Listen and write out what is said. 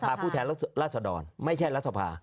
สภาผู้แทนรัฐสดรไม่แค่รัฐสภา